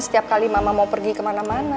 setiap kali mama mau pergi kemana mana